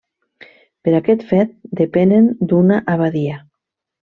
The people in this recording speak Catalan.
Per aquest fet, depenen d'una abadia.